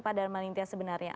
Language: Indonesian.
pada arman intias sebenarnya